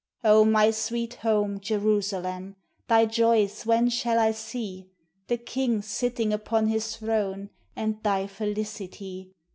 O my sweet home, Jerusalem! Thy joys when shall I see The King sitting upon His throne, And thy felicity?